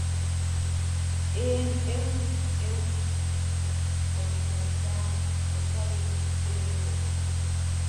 Ƴewni mo ƴewni mo, o nootaaki, o tawi ɗum ɗereewol.